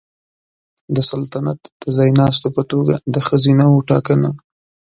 د سلطنت د ځایناستو په توګه د ښځینه وو ټاکنه